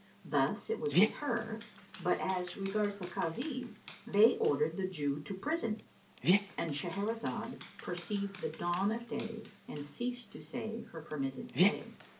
Thus it was with her; but as regards the Kazis they ordered the Jew to prison.—And Shahrazad perceived the dawn of day and ceased to say her permitted say.